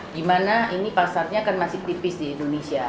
dimana ini pasarnya akan masih tipis di indonesia